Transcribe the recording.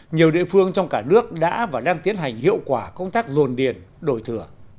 nhiều địa phương trong cả nước đã và đang tiến hành hiệu quả công tác dồn điền đổi thửa